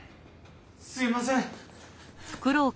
すみません。